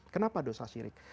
kenapa dosa sirik